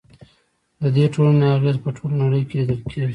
د دې ټولنې اغیز په ټوله نړۍ کې لیدل کیږي.